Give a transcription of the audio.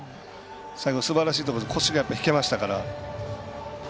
最後、すばらしいところで腰が引けましたから。